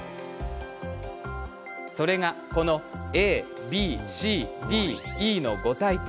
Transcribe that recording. それがこのＡ、Ｂ、Ｃ、Ｄ、Ｅの５タイプ。